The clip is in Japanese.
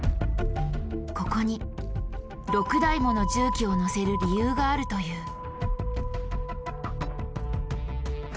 ここに６台もの重機を乗せる理由があるという。